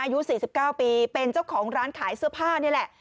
อายุ๔๙ปีเป็นเจ้าของร้านขายเสื้อผ้านี่แหละ